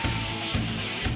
tapi jalan jalan ini juga berat